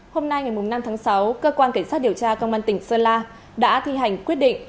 hôm nay ngày năm tháng sáu cơ quan cảnh sát điều tra công an tỉnh sơn la đã thi hành quyết định